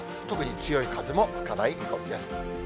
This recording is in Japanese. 特に強い風も吹かない見込みです。